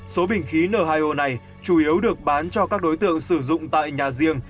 số bình khí n hai o này chủ yếu được bán cho các đối tượng sử dụng tại nhà riêng